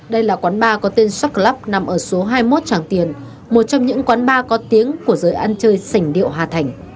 đây là quán ba có tên shop club nằm ở số hai mươi một tràng tiền một trong những quán ba có tiếng của giới ăn chơi sảnh điệu hà thành